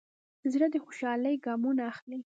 زړه د خوشحالۍ ګامونه اخلي.